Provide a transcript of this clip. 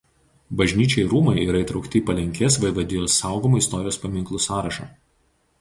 Bažnyčia ir rūmai yra įtraukti į Palenkės vaivadijos saugomų istorijos paminklų sąrašą.